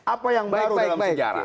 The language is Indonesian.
apa yang baru dalam sejarah